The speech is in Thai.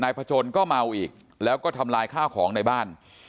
พจนก็เมาอีกแล้วก็ทำลายข้าวของในบ้าน